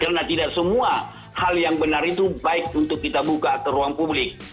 karena tidak semua hal yang benar itu baik untuk kita buka ke ruang publik